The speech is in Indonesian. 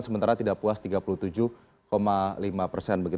sementara tidak puas tiga puluh tujuh lima persen